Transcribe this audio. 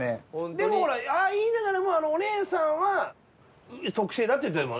でもほらああ言いながらもあのお姉さんは特製だって言ってたもん。